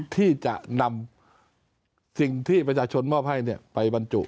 ที่จะนำสิ่งที่ประชาชนมอบให้ไปบรรจุ